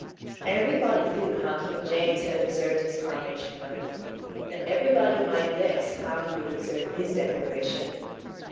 Every body knew how King James had observed his Coronation oath; and every body might guess how he would observe his Declaration.